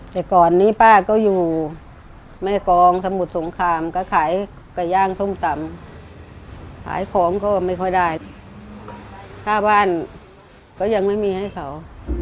แต่ก่อนนี้ป้าก็อยู่แม่กองสมุทรสงครามก็ขายไก่ย่างส้มตำขายของก็ไม่ค่อยได้ค่าบ้านก็ยังไม่มีให้เขา